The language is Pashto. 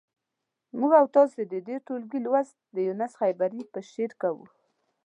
موږ او تاسو د دې ټولګي لوست د یونس خیبري په شعر کوو.